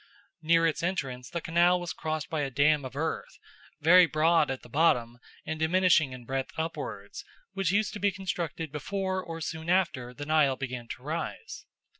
Near its entrance the canal was crossed by a dam of earth, very broad at the bottom and diminishing in breadth upwards, which used to be constructed before or soon after the Nile began to rise.